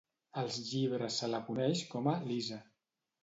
Als llibres se la coneix com a "Lisa".